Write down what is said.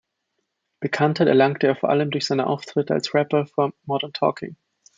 Bekanntheit erlangte er vor allem durch seine Auftritte als Rapper für Modern Talking.